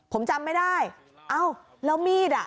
ผมจำไม่ได้เอ้าแล้วมีดอ่ะ